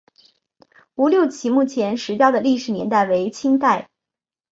吴六奇墓前石雕的历史年代为清代。